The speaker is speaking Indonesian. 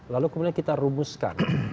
lalu kemudian kita rumuskan